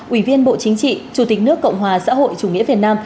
ủy viên bộ chính trị chủ tịch nước cộng hòa xã hội chủ nghĩa việt nam